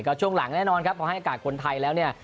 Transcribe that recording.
ก็ช่วงหลังแน่นอนครับพอให้อากาศคนไทยแล้วเนี่ย